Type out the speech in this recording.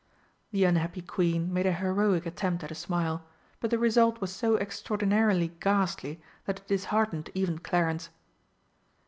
The unhappy Queen made a heroic attempt at a smile, but the result was so extraordinarily ghastly that it disheartened even Clarence.